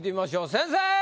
先生！